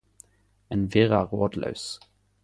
Ein virrar rådlaus.